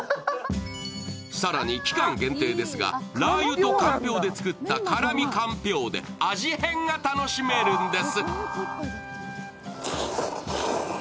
更に期間限定ですがラー油とかんぴょうで作った辛味かんぴょうで味変が楽しめるんです。